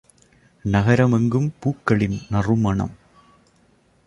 நகரம் எங்கும் பூக்களின் நறுமணம்.